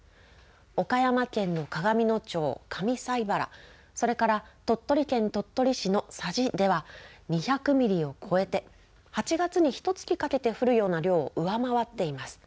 岡山県の鏡野町上齋原、それから鳥取県鳥取市の佐治では、２００ミリを超えて、８月にひとつきかけて降るような量を上回っています。